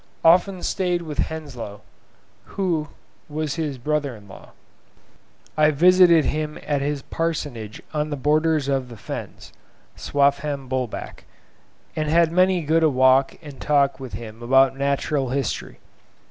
often stayed with Henslow, who was his brother in law. I visited him at his parsonage on the borders of the Fens [Swaffham Bulbeck], and had many a good walk and talk with him about Natural History.